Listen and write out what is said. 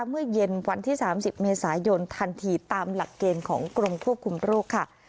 เมื่อเย็นวันที่๓๐เมษายนทันทีตามหลักเกณฑ์ของกรมควบคุมโรคค่ะ